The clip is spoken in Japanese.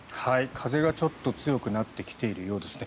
風がちょっと強くなってきているようですね。